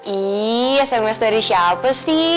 iya sms dari siapa sih